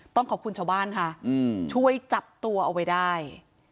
ต้องขอบคุณชาวบ้านค่ะช่วยจับตัวเอาไว้ได้